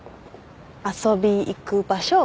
遊び行く場所